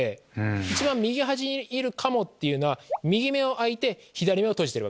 一番右端にいるカモっていうのは右目を開いて左目を閉じてる。